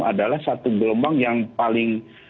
adalah satu gelombang yang paling